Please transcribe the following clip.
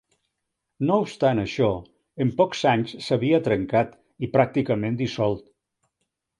No obstant això, en pocs anys s'havia trencat i pràcticament dissolt.